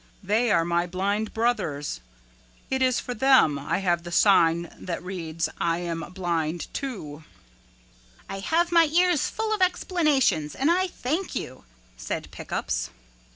They are my blind brothers. It is for them I have the sign that reads, 'I Am Blind Too.'" "I have my ears full of explanations and I thank you," said Pick Ups.